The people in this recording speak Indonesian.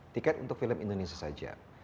tiket untuk film indonesia saja